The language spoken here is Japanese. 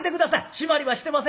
締まりはしてませんから。